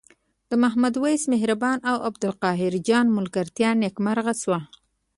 د محمد وېس مهربان او عبدالقاهر جان ملګرتیا نیکمرغه شوه.